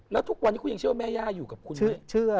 แล้วทุกวันนี้คุณยังเชื่อแม่ย่าอยู่กับคุณด้วย